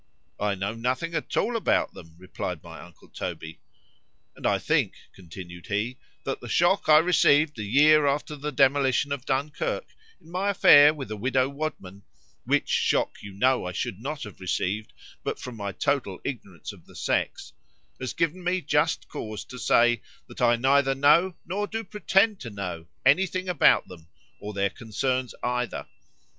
——I know nothing at all about them,—replied my uncle Toby: And I think, continued he, that the shock I received the year after the demolition of Dunkirk, in my affair with widow Wadman;—which shock you know I should not have received, but from my total ignorance of the sex,—has given me just cause to say, That I neither know nor do pretend to know any thing about 'em or their concerns either.